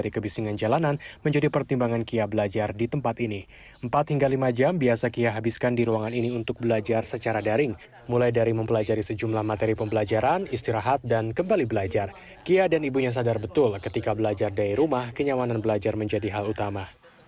ketika belajar dari rumah kenyamanan belajar menjadi hal utama